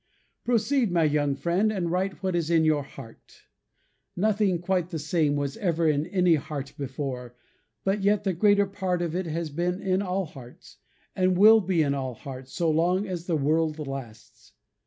Proceed, my young friend, and write what is in your heart. Nothing quite the same was ever in any heart before, and yet the greater part of it has been in all hearts, and will be in all hearts, so long as the world lasts.